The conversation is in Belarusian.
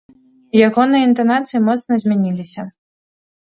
Ягоныя інтанацыі моцна змяніліся.